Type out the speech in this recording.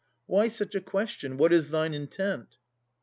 Why such a question? What is thine intent?